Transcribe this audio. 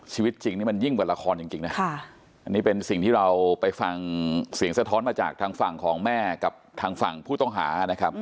ชีวิตจริงนี่มันยิ่งกว่าละครจริงนะอันนี้เป็นสิ่งที่เราไปฟังเสียงสะท้อนมาจากทางฝั่งของแม่กับทางฝั่งผู้ต้องหานะครับ